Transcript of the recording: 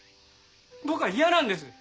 僕は嫌なんです。